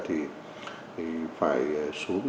thì phải xuống